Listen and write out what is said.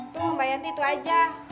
tung bayanti itu aja